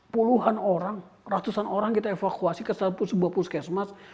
puluhan orang ratusan orang kita evakuasi ke sebuah puskesmas